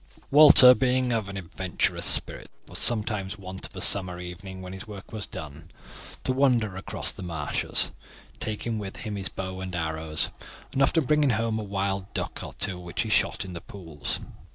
Walter, being of an adventurous spirit, was sometimes wont of a summer evening, when his work was done, to wander across the marshes, taking with him his bow and arrows, and often bringing home a wild duck or two which he shot in the pools.